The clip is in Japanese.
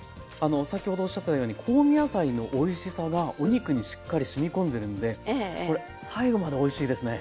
先ほどおっしゃったように香味野菜のおいしさがお肉にしっかりしみこんでるんでこれ最後までおいしいですね。